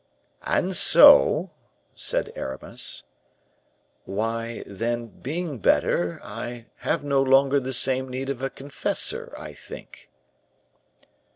"And so?" said Aramis. "Why, then being better, I have no longer the same need of a confessor, I think."